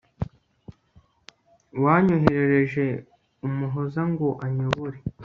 wanyoherereje umuhoza ngo anyobore